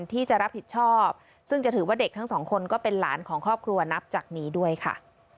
ที่จะรับผิดชอบซึ่งจะถือว่าเด็กทั้งสองคนก็เป็นหลานของครอบครัวนับจากนี้ด้วยค่ะ